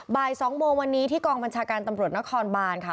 บ่าย๒โมงวันนี้ที่กองบัญชาการตำรวจนครบานค่ะ